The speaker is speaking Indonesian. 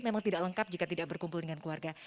memang tidak lengkap jika tidak berkumpul dengan keluarga